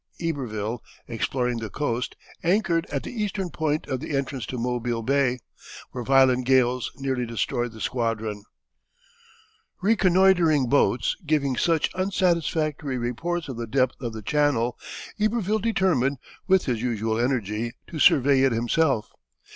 Iberville, exploring the coast, anchored at the eastern point of the entrance to Mobile Bay, where violent gales nearly destroyed the squadron. [Illustration: Bienville.] Reconnoitring boats giving such unsatisfactory reports of the depth of the channel, Iberville determined, with his usual energy, to survey it himself.